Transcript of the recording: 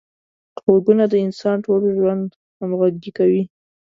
غوږونه د انسان ټول ژوند همغږي کوي